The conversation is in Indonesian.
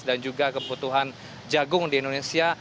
dan juga kebutuhan jagung di indonesia